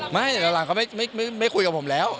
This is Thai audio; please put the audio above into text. ไม่แต่หลังเขาไม่คุยกับผมแล้ว